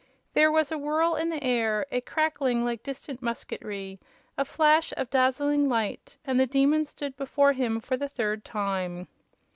There was a whirl in the air; a crackling like distant musketry; a flash of dazzling light and the Demon stood before him for the third time.